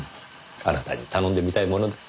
あなたに頼んでみたいものです。